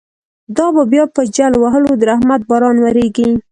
دابه بیا په جل وهلو، درحمت باران وریږی